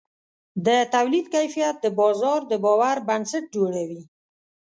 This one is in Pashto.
د تولید کیفیت د بازار د باور بنسټ جوړوي.